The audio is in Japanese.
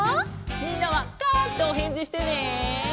みんなは「カァ」っておへんじしてね！